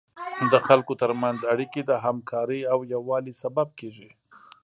د خلکو تر منځ اړیکې د همکارۍ او یووالي سبب کیږي.